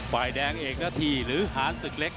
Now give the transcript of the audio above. ปลายแดงเอกที่หารสุดเล็ก